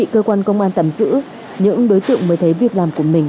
cần có những định hướng cho trẻ em